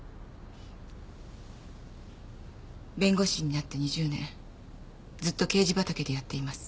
弁護士になって２０年ずっと刑事畑でやっています。